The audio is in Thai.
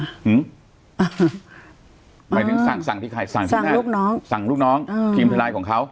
หมายถึงสั่งที่ใครสั่งลูกน้องทีมธนายของเขา